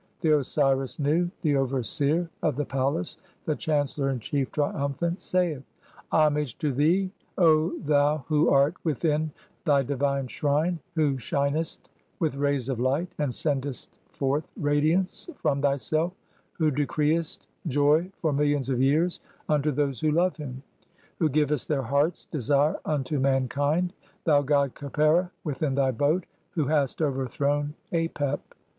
1 The Osiris Nu, the overseer of the palace, the chancellor in chief, triumphant, saith :— "Homage to thee, thou who art within thy divine shrine, "who shinest with rays of light (2) and sendest forth radiance "from thyself, who decreest joy for millions of years unto those "who love him, who givest their heart's desire unto mankind, "thou god Khepera within thy boat who hast overthrown (3) "Apep.